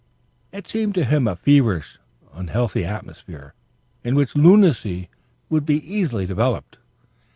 It seemed to him a feverish, unhealthy atmosphere in which lunacy would be easily developed.